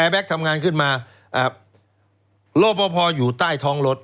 แก๊กทำงานขึ้นมารอพอพออยู่ใต้ท้องรถ